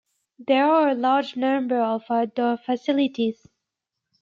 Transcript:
There are a large number of outdoor facilities.